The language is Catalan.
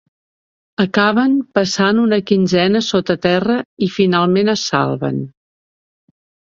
Acaben passant una quinzena sota terra - i finalment es salven.